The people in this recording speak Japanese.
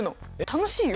楽しいよ？